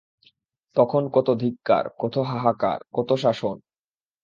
তখন কত ধিক্কার, কত হাহাকার, কত শাসন!